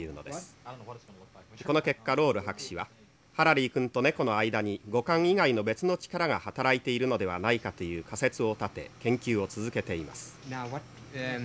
この結果ロール博士はハラリー君と猫の間に五感以外の別の力が働いているのではないかという仮説を立て研究を続けています」。